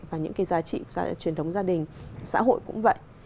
và những cái giá trị truyền thống gia đình xã hội cũng vậy